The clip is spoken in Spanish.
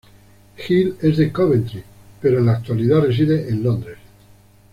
Gill es de Coventry pero en la actualidad reside en Londres.